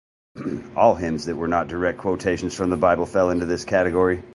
All hymns that were not direct quotations from the bible fell into this category.